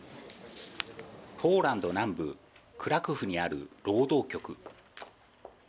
ポーランド南部クラクフにある労働局。